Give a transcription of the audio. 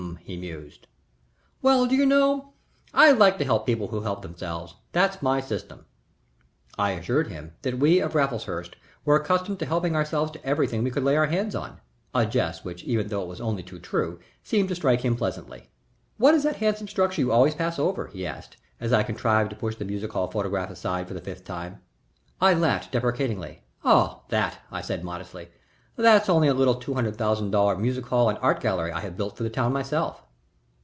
he mused. "Well, do you know, I like to help people who help themselves that's my system." I assured him that we of Raffleshurst were accustomed to helping ourselves to everything we could lay our hands on, a jest which even though it was only too true seemed to strike him pleasantly. "What is that handsome structure you always pass over?" he asked, as I contrived to push the music hall photograph aside for the fifth time. I laughed deprecatingly. "Oh, that," I said, modestly "that's only a little two hundred thousand dollar music hall and art gallery I have built for the town myself."